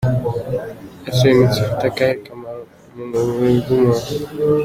Ese imitsi ifite akahe kamaro mu mubiri w’umuntu?.